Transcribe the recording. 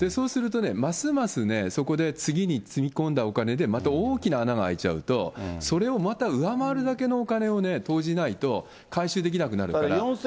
そうするとね、ますますそこで次につぎ込んだお金でまた大きな穴が開いちゃうと、それをまた上回るだけのお金を投じないと、回収できなくなるから。